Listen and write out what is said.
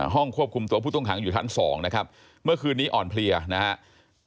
ห้องควบคุมตัวผู้ต้องขังอยู่ชั้น๒นะครับเมื่อคืนนี้อ่อนเพลียนะครับ